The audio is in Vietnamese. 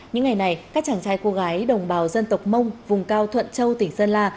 những ngày này các chàng trai cô gái đồng bào dân tộc mông vùng cao thuận châu tỉnh sơn la